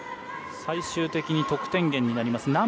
最終的に得点源になります。